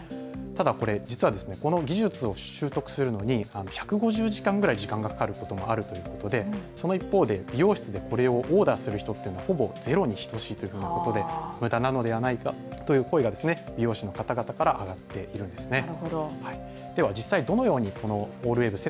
ただ、この技術を習得するのに１５０時間くらい時間がかかることもあるということで、その一方で美容室でこれをオーダーする人というのはほぼゼロに等しいということでむだなのではないかという声が美容師の方々から上がっているんです。